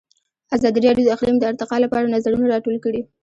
ازادي راډیو د اقلیم د ارتقا لپاره نظرونه راټول کړي.